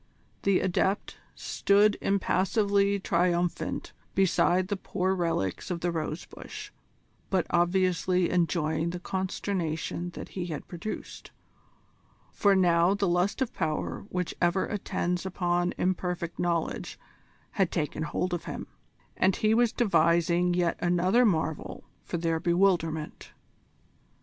The Adept stood impassively triumphant beside the poor relics of the rose bush, but obviously enjoying the consternation that he had produced for now the lust of power which ever attends upon imperfect knowledge had taken hold of him, and he was devising yet another marvel for their bewilderment.